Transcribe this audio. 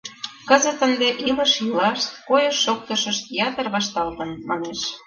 Кызыт ынде илыш-йӱлашт, койыш-шоктышышт ятыр вашталтын, манеш.